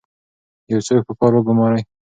یو څوک په کار وګمارئ.